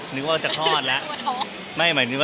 นึกว่าจะคอดละ